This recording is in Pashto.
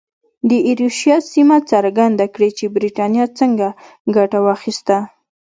د ایروشیا سیمه څرګنده کړي چې برېټانیا څنګه ګټه واخیسته.